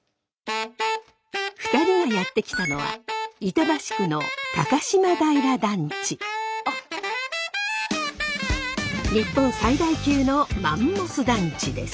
２人がやって来たのは日本最大級のマンモス団地です。